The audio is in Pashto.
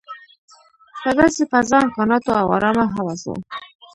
په داسې فضا، امکاناتو او ارامه حواسو.